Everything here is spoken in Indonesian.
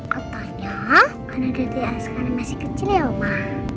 katanya karena dede askaran masih kecil ya oma